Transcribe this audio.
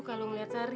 kalau melihat sari